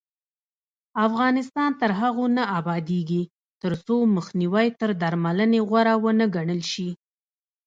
افغانستان تر هغو نه ابادیږي، ترڅو مخنیوی تر درملنې غوره ونه ګڼل شي.